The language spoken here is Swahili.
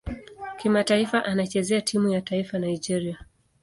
Kimataifa anachezea timu ya taifa Nigeria.